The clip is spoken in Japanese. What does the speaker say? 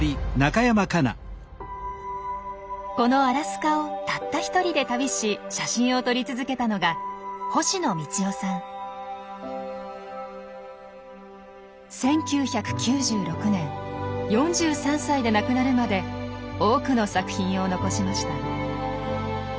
このアラスカをたったひとりで旅し写真を撮り続けたのが１９９６年４３歳で亡くなるまで多くの作品を残しました。